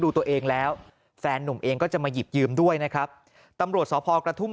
ดูตัวเองแล้วแฟนนุ่มเองก็จะมาหยิบยืมด้วยนะครับตำรวจสพกระทุ่ม